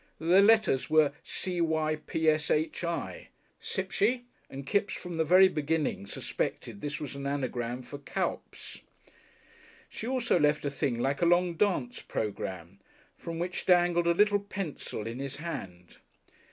The letters were "Cypshi," and Kipps from the very beginning suspected this was an anagram for Cuyps. She also left a thing like a long dance programme, from which dangled a little pencil in his hand.